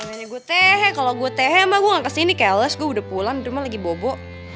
ini nanya gue tehe kalo gue tehe emang gue ga kesini keles gue udah pulang rumah lagi bobo